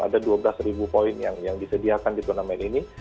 ada dua belas poin yang disediakan di turnamen ini